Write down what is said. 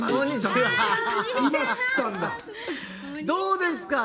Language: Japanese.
どうですか？